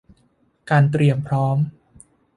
การเตรียมพร้อม